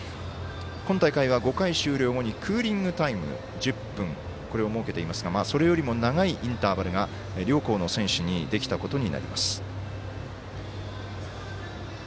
今大会は５回終了後にクーリングタイム１０分、これを設けていますがそれよりも長いインターバルが両校の選手にできたことになります。